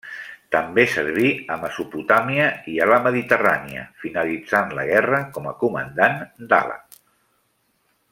També serví a Mesopotàmia i a la Mediterrània, finalitzant la guerra com a Comandant d'Ala.